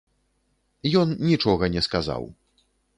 Ён нічога не сказаў.